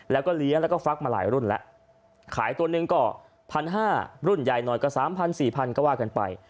แล้วก็เลี้ยงแล้วก็ฟักมาหลายรุ่นแล้วขายตัวหนึ่งก็พันห้ารุ่นใหญ่น้อยก็สามพันสี่พันก็ว่ากันไป